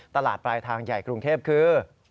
ตลาดปลายทางใหญ่กรุงเทพคือ